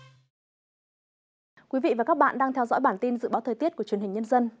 thưa quý vị và các bạn đang theo dõi bản tin dự báo thời tiết của truyền hình nhân dân